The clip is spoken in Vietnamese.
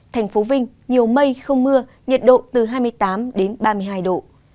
thành phố vinh nhiều mây không mưa nhiệt độ từ hai mươi tám đến ba mươi hai độ